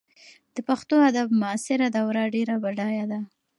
د پښتو ادب معاصره دوره ډېره بډایه ده.